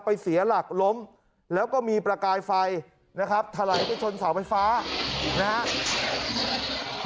เสียหลักล้มแล้วก็มีประกายไฟนะครับถลายไปชนเสาไฟฟ้านะครับ